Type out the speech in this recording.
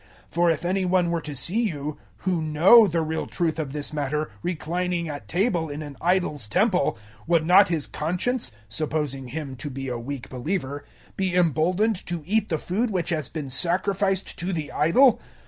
008:010 For if any one were to see you, who know the real truth of this matter, reclining at table in an idol's temple, would not his conscience (supposing him to be a weak believer) be emboldened to eat the food which has been sacrificed to the idol?